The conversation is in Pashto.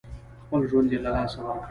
خپل ژوند یې له لاسه ورکړ.